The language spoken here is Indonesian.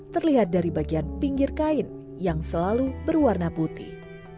terlihat dari bagian pinggir kain yang selalu berwarna putih